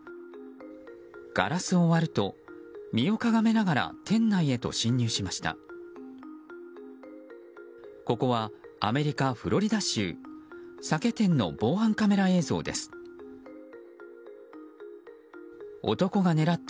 ガラスを割ると身をかがめながら店内へと侵入しました。